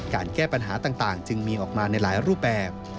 การแก้ปัญหาต่างจึงมีออกมาในหลายรูปแบบ